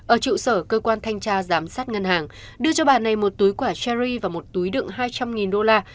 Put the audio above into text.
ở trụ sở cơ quan thanh tra giám sát ngân hàng đưa cho bà này một túi quả cherry và một túi đựng hai trăm linh đô la